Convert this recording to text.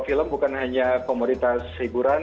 film bukan hanya komoditas hiburan